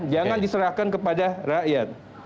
jangan diserahkan kepada rakyat